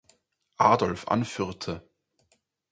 Adolf anführte.